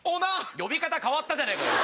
呼び方変わったじゃねえか！